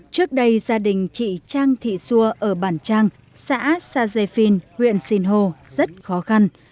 trước đây gia đình chị trang thị xua ở bản trang xã sa dê phiên huyện sinh hồ rất khó khăn